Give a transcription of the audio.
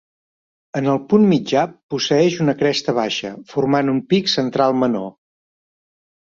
En el punt mitjà posseeix una cresta baixa, formant un pic central menor.